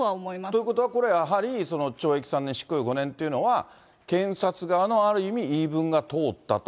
ということは、これやはり、懲役３年執行猶予５年というのは検察側のある意味、言い分が通ったと。